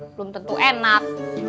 belum tentu enak